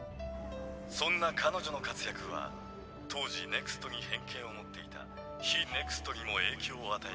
そんな彼女の活躍は当時ＮＥＸＴに偏見を持っていた非ＮＥＸＴにも影響を与えました。